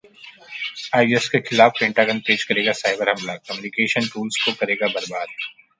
IS के खिलाफ Pentagon तेज करेगा साइबर हमला, कम्यूनिकेशन टूल्स को करेगा बर्बाद